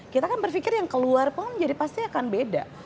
kita kan berpikir yang keluar pun jadi pasti akan beda